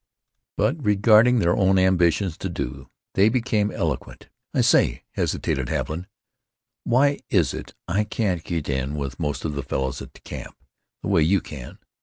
But regarding their own ambitions to do, they became eloquent. "I say," hesitated Haviland, "why is it I can't get in with most of the fellows at the camp the way you can?